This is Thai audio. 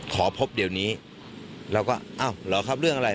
ขอพบเดี๋ยวนี้เราก็อ้าวเหรอครับเรื่องอะไร